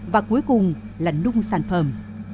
và cuối cùng là nung sản phẩm